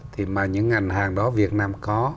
thì mà những ngành hàng đó việt nam có